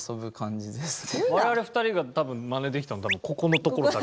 ほんと我々２人が多分真似できたの多分ここのところだけです。